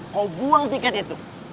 kau buang tiket itu